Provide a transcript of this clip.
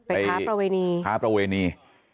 ไปท้าประเวณี